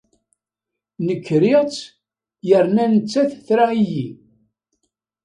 Nekk riɣ-tt yerna nettat tra-iyi.